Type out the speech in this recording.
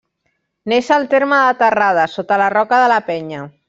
Neix al terme de Terrades, sota la roca de la Penya.